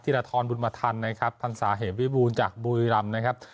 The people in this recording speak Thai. ธิระทรบุญมธรรมพันธ์สาเหตุวิบูรณ์จากบุรีรัมน์นะครับ